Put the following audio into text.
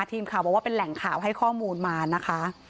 ทีมข่าวบอกว่าเป็นแหล่งข่าวให้ข้อมูลมานะคะ